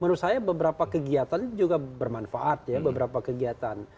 menurut saya beberapa kegiatan itu juga bermanfaat ya beberapa kegiatan